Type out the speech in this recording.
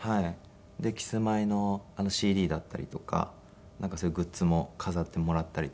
でキスマイのＣＤだったりとかそういうグッズも飾ってもらったりとか。